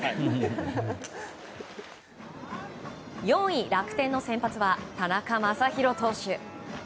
４位、楽天の先発は田中将大投手。